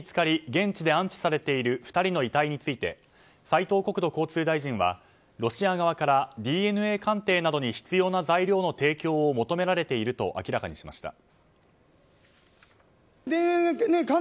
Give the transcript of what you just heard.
現地で安置されている２人の遺体について斉藤国土交通大臣はロシア側からＤＮＡ鑑定などに必要な材料の提供を求められていると明らかにしました。